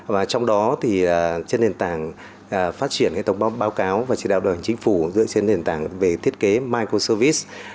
và trong đó thì trên nền tảng phát triển hệ thống báo cáo và chỉ đạo điều hành chính phủ dựa trên nền tảng về thiết kế microservice